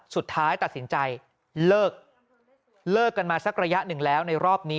สุดท้ายตัดสินใจเลิกกันมาสักระยะหนึ่งแล้วในรอบนี้